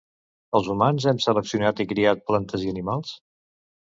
els humans hem seleccionat i criat plantes i animals